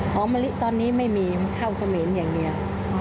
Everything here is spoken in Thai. มะลิตอนนี้ไม่มีข้าวเขมรอย่างเดียว